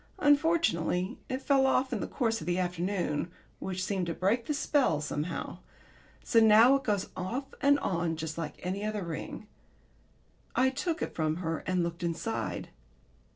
Unfortunately it fell off in the course of the afternoon, which seemed to break the spell somehow. So now it goes off and on just like any other ring. I took it from her and looked inside.